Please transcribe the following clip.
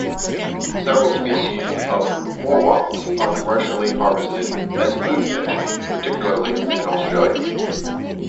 Several species of morwongs are commercially harvested as food fish, particularly in Australia.